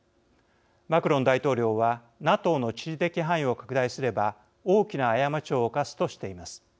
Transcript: マクロン大統領は「ＮＡＴＯの地理的範囲を拡大すれば大きな過ちを犯す」としています。